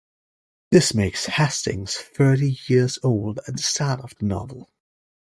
This makes Hastings thirty years old at the start of the novel.